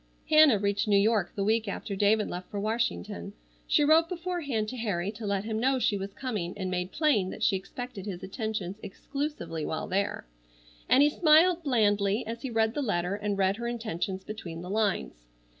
Hannah reached New York the week after David left for Washington. She wrote beforehand to Harry to let him know she was coming, and made plain that she expected his attentions exclusively while there, and he smiled blandly as he read the letter and read her intentions between the lines.